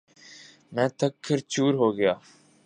میں تھک کر چُور ہوگیا